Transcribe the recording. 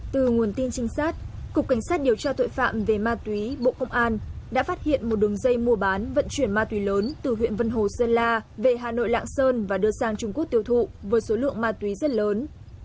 từ nguồn tin trinh sát cục cảnh sát điều tra tội phạm về ma túy bộ công an đã phát hiện một đường dây mua bán vận chuyển ma túy lớn từ huyện vân hồ sơn la về hà nội lạng sơn và đưa sang trung quốc tiêu thụ với số lượng ma túy rất lớn